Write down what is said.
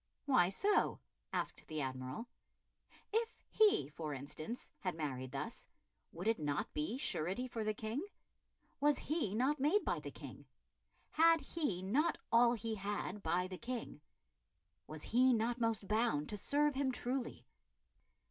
"Why so?" asked the Admiral. If he, for instance, had married thus, would it not be surety for the King? Was he not made by the King? Had he not all he had by the King? Was he not most bound to serve him truly?